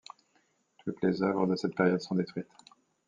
Toutes les œuvres de cette période sont détruites.